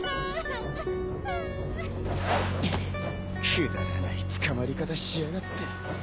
くだらない捕まり方しやがって。